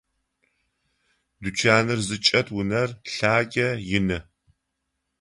Тучаныр зычӏэт унэр лъагэ, ины.